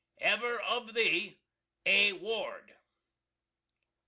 "Ever of thee," A. Ward.